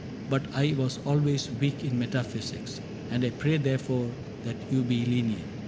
But I was always weak in metaphysics. And I pray therefore that you be lenient.